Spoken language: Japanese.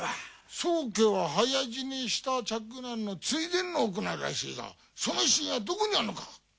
宗家は早死にした嫡男の追善の行いらしいがその真意はどこにあるのか？